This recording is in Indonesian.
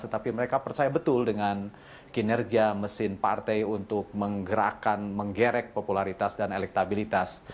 tetapi mereka percaya betul dengan kinerja mesin partai untuk menggerakkan menggerek popularitas dan elektabilitas